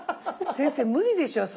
先生無理でしょそれ。